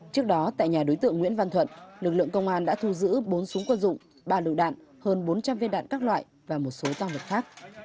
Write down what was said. trước đó tại nhà đối tượng nguyễn văn thuận lực lượng công an đã thu giữ bốn súng quân dụng ba lựu đạn hơn bốn trăm linh viên đạn các loại và một số tăng vật khác